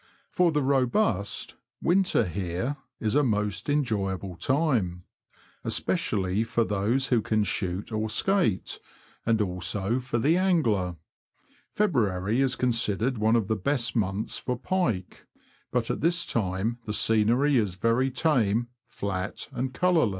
For the robust, winter here is a most enjoyable time, especially for those who can shoot or skate, and also for the angler. Feb ruary is considered one of the best months for pike ; but at this time the scenery is very tame, flat, and colourless.